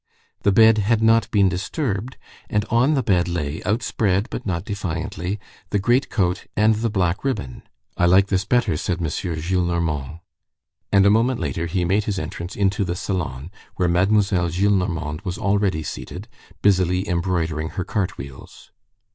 The bed had not been disturbed, and on the bed lay, outspread, but not defiantly the great coat and the black ribbon. "I like this better," said M. Gillenormand. And a moment later, he made his entrance into the salon, where Mademoiselle Gillenormand was already seated, busily embroidering her cart wheels.